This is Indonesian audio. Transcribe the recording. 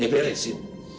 ya biar di sini